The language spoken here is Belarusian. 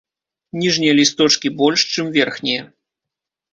Ніжнія лісточкі больш, чым верхнія.